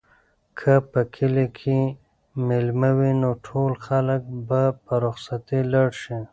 که په کلي کې مېله وي نو ټول خلک به په رخصتۍ لاړ شي.